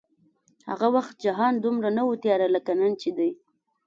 هغه وخت جهان دومره نه و تیاره لکه نن چې دی